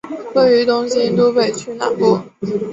位于东京都北区南部。